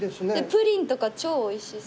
プリンとか超おいしそう。